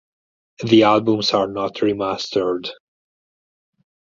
The albums are not remastered.